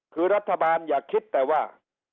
คือรัฐบาลอย่าคิดแต่ว่า